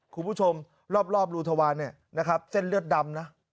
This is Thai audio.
คุณผู้ชมรอบรูทวารเนี่ยนะครับเส้นเลือดดำนะ